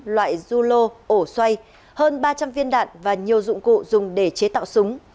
loại zulo ổ xoay hơn ba trăm linh viên đạn và nhiều dụng cụ dùng để chế tạo súng